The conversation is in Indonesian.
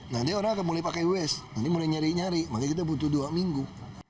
nanti orang akan mulai pakai wes nanti mulai nyari nyari maka kita butuh dua minggu